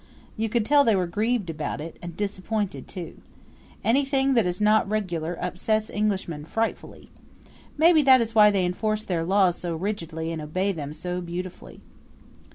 You could tell they were grieved about it, and disappointed too. Anything that is not regular upsets Englishmen frightfully. Maybe that is why they enforce their laws so rigidly and obey them so beautifully.